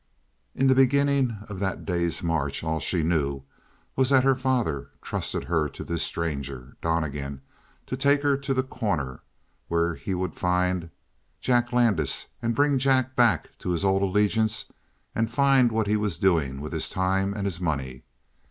In the beginning of that day's march all she knew was that her father trusted her to this stranger, Donnegan, to take her to The Corner, where he was to find Jack Landis and bring Jack back to his old allegiance and find what he was doing with his time and his money.